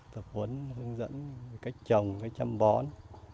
tập huấn hướng dẫn cách trồng cách chăm bón